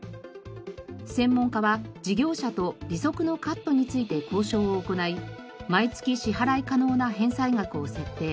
専門家は事業者と利息のカットについて交渉を行い毎月支払い可能な返済額を設定。